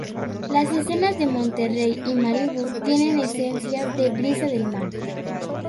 Las escenas de Monterey y Malibú tienen esencias de brisa del mar.